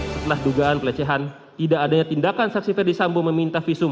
setelah dugaan pelecehan tidak adanya tindakan saksi ferdisambo meminta visum